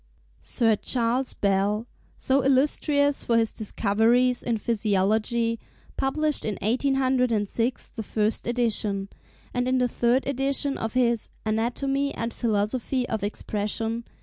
Sir Charles Bell, so illustrious for his discoveries in physiology, published in 1806 the first edition, and in the third edition of his 'Anatomy and Philosophy of Expression.